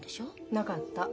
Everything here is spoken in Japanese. なかった。